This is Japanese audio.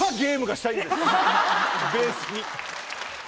ベースに。